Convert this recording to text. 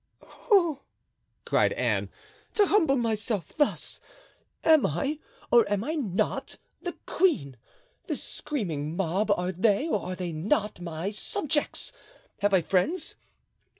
"Oh!" cried Anne, "to humble myself thus! Am I, or am I not, the queen? This screaming mob, are they, or are they not, my subjects? Have I friends?